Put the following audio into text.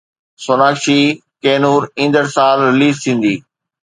سوناڪشي ڪي نور ايندڙ سال رليز ٿيندي